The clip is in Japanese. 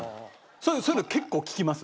そういうの結構聞きます？